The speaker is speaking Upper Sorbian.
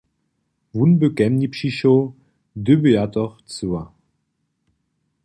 Wón by ke mni přišoł, hdy by ja to chcyła.